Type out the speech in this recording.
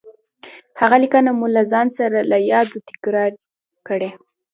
هغه ليکنه مو له ځان سره له يادو تکرار کړئ.